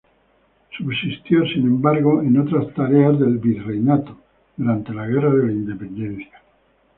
Subsistió, sin embargo, en otras áreas del virreinato durante la guerra de la Independencia.